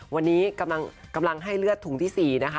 วันนี้กำลังให้เลือดถุงที่๔นะคะ